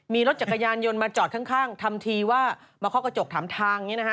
มีรถจักรยานยนต์มาจอดข้างทำทีว่ามาเข้ากระจกถามทาง